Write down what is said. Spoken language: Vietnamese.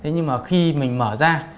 nhưng khi mở ra